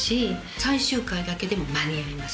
最終回だけでも間に合います